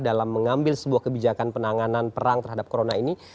dalam mengambil sebuah kebijakan penanganan perang terhadap corona ini